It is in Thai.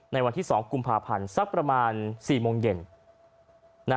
ในวันที่๒กุมภาพันธ์สักประมาณ๔โมงเย็น